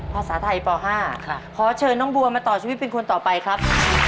ภาษาไทยป๕ขอเชิญน้องบัวมาต่อชีวิตเป็นคนต่อไปครับ